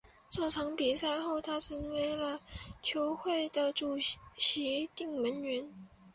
这场比赛后他成为了球会的首席定门员。